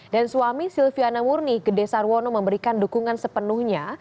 dan suami silviana murni gedesarwono memberikan dukungan sepenuhnya